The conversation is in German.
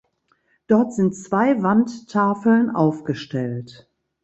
Dort sind zwei Wandtafeln aufgestellt.